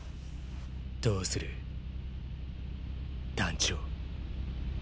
どうするーー団長。